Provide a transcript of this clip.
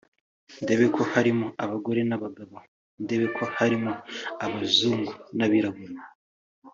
ndebe ko harimo abagore n’abagabo ndebe ko harimo abazungu n’abirabura